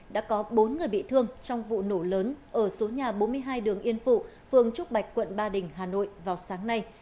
đã có bốn người bị thương trong vụ nổ lớn ở số nhà bốn mươi hai đường yên phụ phường trúc bạch quận ba đình hà nội vào sáng nay